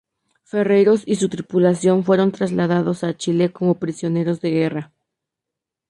Ferreyros y su tripulación fueron trasladados a Chile como prisioneros de guerra.